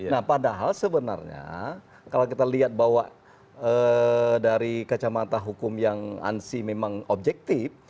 nah padahal sebenarnya kalau kita lihat bahwa dari kacamata hukum yang ansi memang objektif